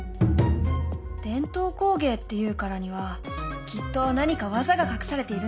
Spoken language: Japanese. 伝統工芸っていうからにはきっと何か技が隠されているんだよ。